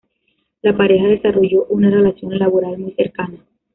La pareja desarrolló una relación laboral muy cercana.